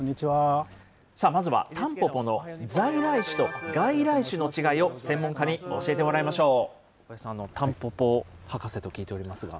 まずはタンポポの在来種と外来種の違いを専門家に教えてもらいましょう。